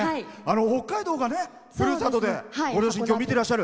北海道がふるさとでご両親、きょう見ていらっしゃる？